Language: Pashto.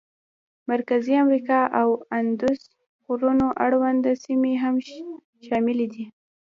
مرکزي امریکا او د اندوس غرونو اړونده سیمې هم شاملې دي.